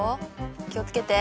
気を付けて。